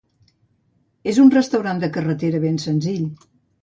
És un restaurant de carretera ben senzill.